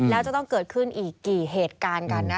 แล้วจะต้องเกิดขึ้นอีกกี่เหตุการณ์กันนะ